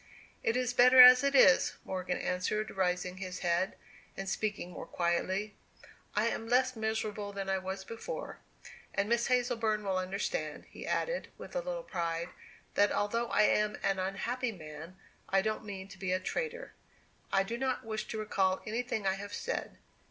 "It is better as it is," Morgan answered raising his head, and speaking more quietly. "I am less miserable than I was before. And Miss Hazleburn will understand," he added, with a little pride, "that although I am an unhappy man, I don't mean to be a traitor. I do not wish to recall anything I have said.